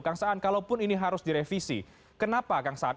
kang saan kalaupun ini harus direvisi kenapa kang saan